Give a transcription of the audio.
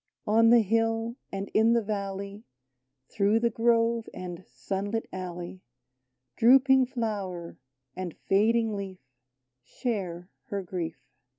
On the hill and in the valley, Through the grove and sun lit alley, Drooping flower and fading leaf Share her grief.